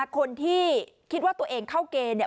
คนที่คิดว่าตัวเองเข้าเกณฑ์เนี่ย